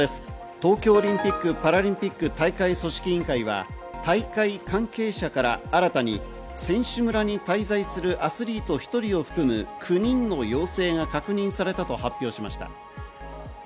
東京オリンピック・パラリンピック大会組織委員会は、大会関係者から新たに選手村に滞在するアスリート１人を含む９人の陽性が確認されたと発表しました。